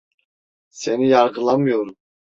Seni yargılamıyorum.